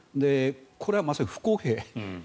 これはまさに不公平。